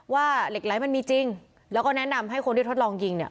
เหล็กไหลมันมีจริงแล้วก็แนะนำให้คนที่ทดลองยิงเนี่ย